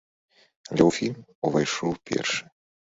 Але ў фільм увайшоў першы.